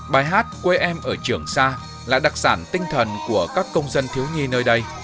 bài hát quê em ở trường sa là đặc sản tinh thần của các công dân thiếu nhi nơi đây